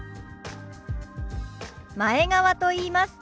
前川と言います。